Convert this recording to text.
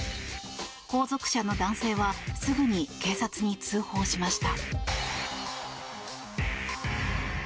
後続車の男性はすぐに警察に通報しました。